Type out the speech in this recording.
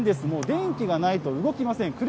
もう電気がないと動きません。